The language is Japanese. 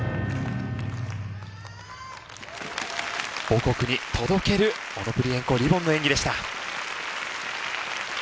母国に届けるオノブリエンコリボンの演技でした。